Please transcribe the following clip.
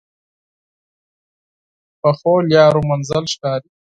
پخو لارو منزل ښکاري